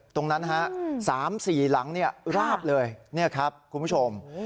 ตรงนั้นฮะ๓๔หลังราบเลยนี่ครับคุณผู้ชม